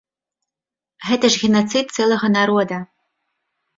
Гэта ж генацыд цэлага народа.